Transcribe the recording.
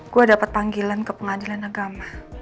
gue dapat panggilan ke pengadilan agama